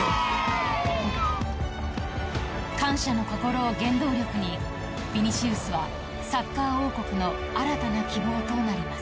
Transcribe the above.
感謝の心を原動力にヴィニシウスはサッカー王国の新たな希望となります。